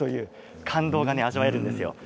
感動が味わえるんですよ。